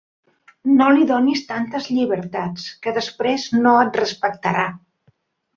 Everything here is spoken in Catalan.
No li donis tantes llibertats, que després no et respectarà.